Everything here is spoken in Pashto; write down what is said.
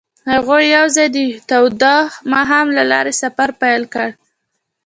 هغوی یوځای د تاوده ماښام له لارې سفر پیل کړ.